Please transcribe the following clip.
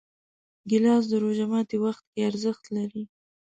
ګیلاس د روژه ماتي وخت کې ارزښت لري.